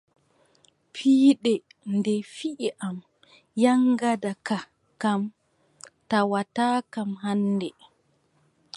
Piiɗe ɗe fiyi am, yaŋgada ka kam tawataakam hannde.